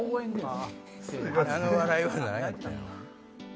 あの笑いは何やったの？